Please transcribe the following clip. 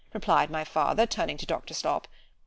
replied my father, turning to Doctor _Slop.